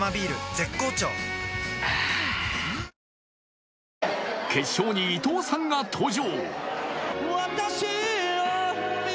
絶好調あぁ決勝に伊藤さんが登場。